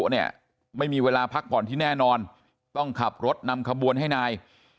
เนี่ยไม่มีเวลาพักผ่อนที่แน่นอนต้องขับรถนำขบวนให้นาย